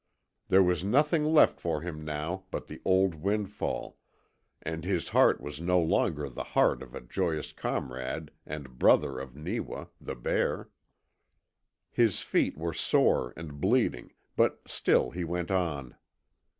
There was nothing left for him now but the old windfall, and his heart was no longer the heart of the joyous comrade and brother of Neewa, the bear. His feet were sore and bleeding, but still he went on.